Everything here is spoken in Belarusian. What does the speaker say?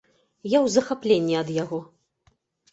Я ў захапленні ад яго.